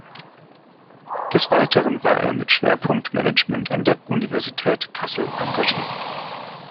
Des Weiteren war er mit Schwerpunkt Management an der Universität Kassel engagiert.